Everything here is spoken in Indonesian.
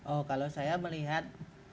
oh kalau saya melihat